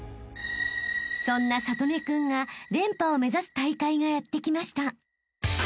［そんな智音君が連覇を目指す大会がやって来ました］